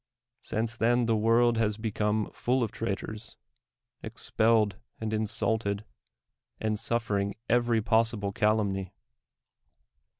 Since then the world has become full of traitors, expelled and insulted, and suf fering every possible cabumny.